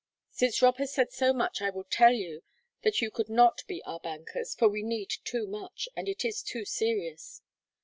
"Since Rob has said so much I will tell you that you could not be our bankers, for we need too much, and it is too serious.